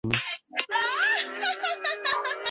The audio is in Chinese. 此站在进入线前存在横渡线。